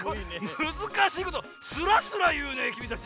むずかしいことスラスラいうねきみたち。